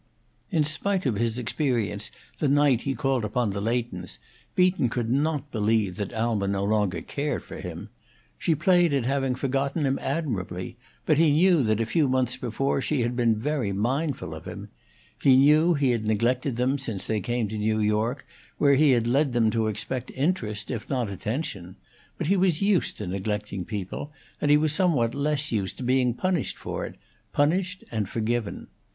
In spite of his experience the night he called upon the Leightons, Beaton could not believe that Alma no longer cared for him. She played at having forgotten him admirably, but he knew that a few months before she had been very mindful of him. He knew he had neglected them since they came to New York, where he had led them to expect interest, if not attention; but he was used to neglecting people, and he was somewhat less used to being punished for it punished and forgiven.